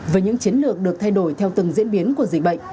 với những chiến lược được thay đổi theo từng diễn biến của dịch bệnh